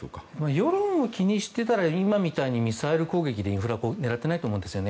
世論を気にしていたら今みたいにミサイル攻撃でインフラを狙っていないと思うんですよね。